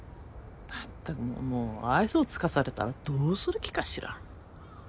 まったくもう愛想尽かされたらどうする気かしら。